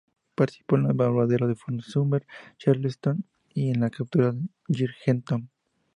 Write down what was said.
Participó en el bombardeo de Fort Sumter, Charleston y en la captura de Georgetown.